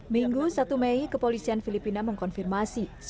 minggu satu mei kepolisian filipina mengkonfirmasi